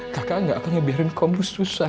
kakak gak aku ngebiarin kamu susah